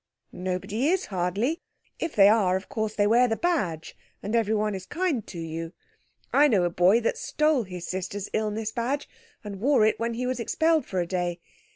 "Nobody is—hardly. If they are, of course they wear the badge, and everyone is kind to you. I know a boy that stole his sister's illness badge and wore it when he was expelled for a day.